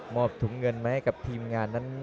ถุงเงินมาให้กับทีมงานนั้น